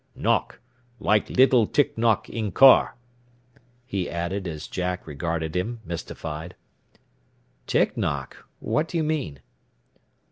"Knock, like little tick knock in car," he added as Jack regarded him, mystified. "Tick knock? What do you mean?"